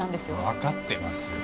わかってますよ。